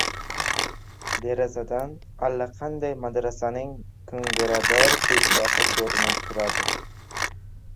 Derazadan allaqanday madrasaning kungurador peshtoqi ko‘rinib turadi.